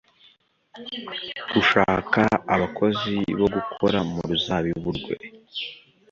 gushaka abakozi bo gukora mu ruzabibu rwe